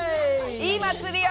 いい祭りを！